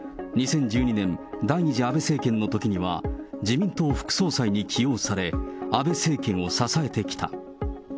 ２０１２年、第２次安倍政権のときには自民党副総裁に起用され、安倍政権を支えてきた。